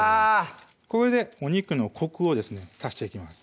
これでお肉のコクをですね足していきます